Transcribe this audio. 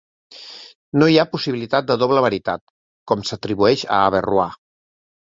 No hi ha possibilitat de doble veritat, com s'atribueix a Averrois.